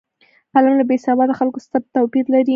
قلم له بېسواده خلکو ستر توپیر لري